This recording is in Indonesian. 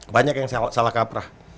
banyak yang salah kaprah